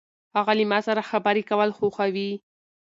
هغه له ما سره خبرې کول خوښوي.